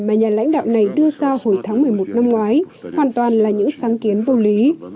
mà nhà lãnh đạo này đưa ra hồi tháng một mươi một năm ngoái hoàn toàn là những sáng kiến vô lý